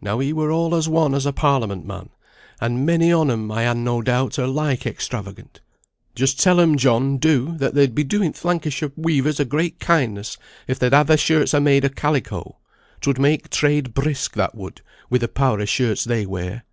Now he were all as one as a Parliament man; and many on 'em, I han no doubt, are like extravagant. Just tell 'em, John, do, that they'd be doing th' Lancashire weavers a great kindness, if they'd ha' their shirts a' made o' calico; 'twould make trade brisk, that would, wi' the power o' shirts they wear."